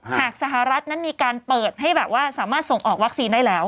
หากสหรัฐนั้นมีการเปิดให้แบบว่าสามารถส่งออกวัคซีนได้แล้ว